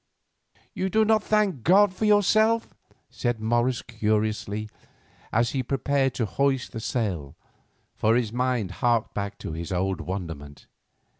"You do not thank God for yourself," said Morris curiously, as he prepared to hoist the sail, for his mind harked back to his old wonderment.